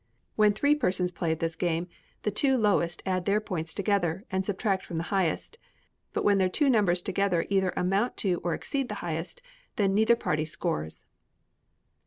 When three persons play at this game, the two lowest add their points together, and subtract from the highest; but when their two numbers together either amount to or exceed the highest, then neither party scores.